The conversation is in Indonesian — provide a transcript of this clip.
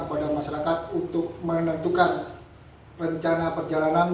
kepada masyarakat untuk menentukan rencana perjalanan